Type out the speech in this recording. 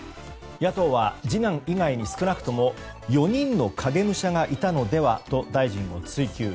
野党は次男以外に少なくとも４人の影武者がいたのではと大臣を追及。